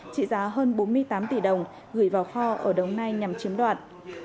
trị giá hơn bốn mươi tám tỷ đồng gửi vào kho ở đồng nai nhằm chiếm đoạt